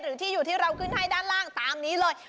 หรือที่อยู่ที่เราขึ้นให้ด้านล่างตามนี้เลย